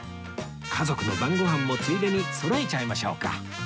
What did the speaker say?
家族の晩ご飯もついでにそろえちゃいましょうか